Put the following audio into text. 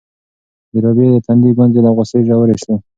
د رابعې د تندي ګونځې له غوسې ژورې شوې.